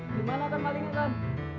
dimana teman teman ini tan